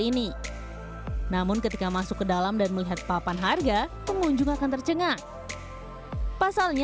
ini namun ketika masuk ke dalam dan melihat papan harga pengunjung akan tercengang pasalnya